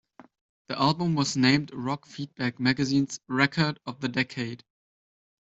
The album was named Rockfeedback magazine's record of the decade.